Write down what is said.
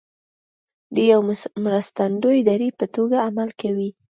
د یوې مرستندویه دړې په توګه عمل کوي